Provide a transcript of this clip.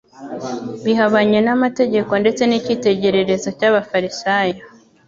bihabanye n'amategeko ndetse n'icyitegererezo cy'abafarisayo.